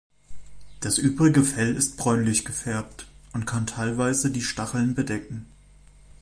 Das übrige Fell ist bräunlich gefärbt und kann teilweise die Stacheln bedecken.